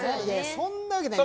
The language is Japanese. そんなわけない。